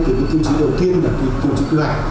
tiêu chí đầu tiên tổ chức quyền